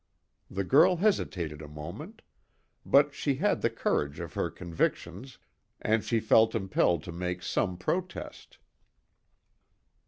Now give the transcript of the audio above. The girl hesitated a moment, but she had the courage of her convictions, and she felt impelled to make some protest.